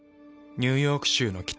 ニューヨーク州の北。